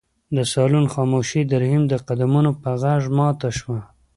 د صالون خاموشي د رحیم د قدمونو په غږ ماته شوه.